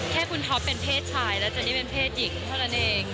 แค่คุณท็อปเป็นเพศชายแล้วเจนี่เป็นเพศหญิงเท่านั้นเอง